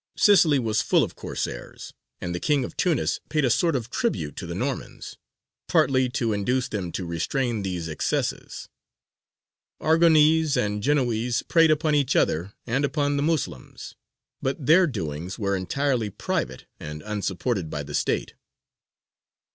Sicily was full of Corsairs, and the King of Tunis paid a sort of tribute to the Normans, partly to induce them to restrain these excesses. Aragonese and Genoese preyed upon each other and upon the Moslems; but their doings were entirely private and unsupported by the state.